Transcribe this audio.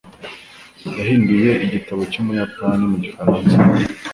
Yahinduye igitabo cy'Ubuyapani mu Gifaransa.